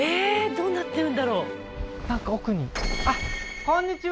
どうなってるんだろう？